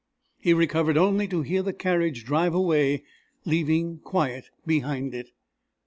He recovered only to hear the carriage drive away, leaving quiet behind it.